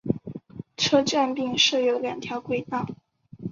车站并设有两条轨道。